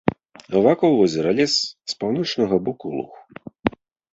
Вакол возера лес, з паўночнага боку луг.